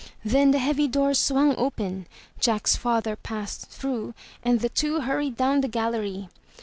Then the heavy door swung open, Jack's father passed through, and the two hurried down the gallery.